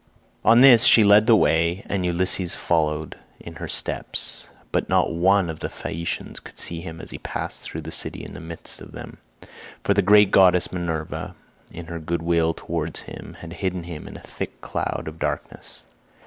On this she led the way, and Ulysses followed in her steps; but not one of the Phaeacians could see him as he passed through the city in the midst of them; for the great goddess Minerva in her good will towards him had hidden him in a thick cloud of darkness.